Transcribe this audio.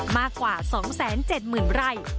มากกว่า๒๗๐๐๐ไร่